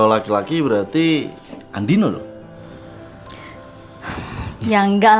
di film apaan deh dia